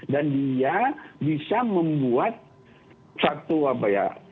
dan dia bisa membuat satu apa ya